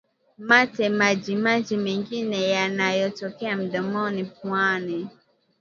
mate majimaji mengine yanayotokea mdomoni puani